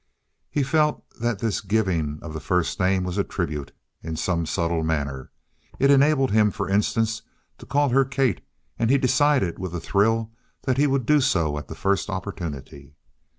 He felt that this giving of the first name was a tribute, in some subtle manner. It enabled him, for instance, to call her Kate, and he decided with a thrill that he would do so at the first opportunity.